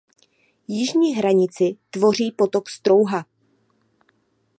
Jižní hranici tvoří potok Strouha.